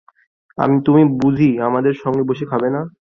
তুমি বুঝি আমাদের সঙ্গে বসে খাবে না!